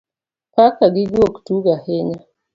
Paka gi gwok tugo ahinya